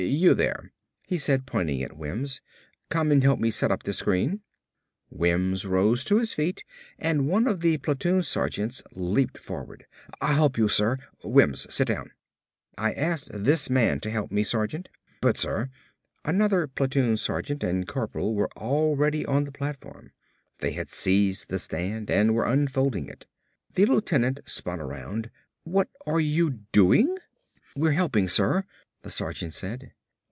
"You there!" he said, pointing to Wims, "come help me set up this screen." Wims rose to his feet and one of the platoon sergeants leaped forward. "I'll help you, sir. Wims, sit down." "I asked this man to help me, sergeant." "But sir " Another platoon sergeant and a corporal were already on the platform. They had seized the stand and were unfolding it. The lieutenant spun around. "What are you doing?" "We're helping, sir," the sergeant said.